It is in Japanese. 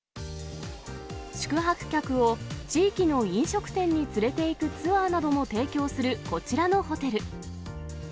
宿泊客を地域の飲食店に連れていくツアーなども提供するこちらのホテル。